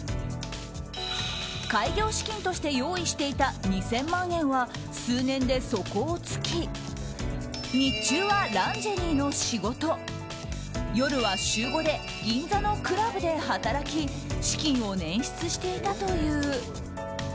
開業資金として用意していた２０００万円は数年で底をつき日中はランジェリーの仕事夜は週５で銀座のクラブで働き資金を捻出していたという。